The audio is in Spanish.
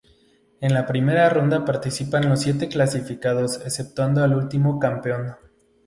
En la primera ronda participan los siete clasificados exceptuando al último campeón.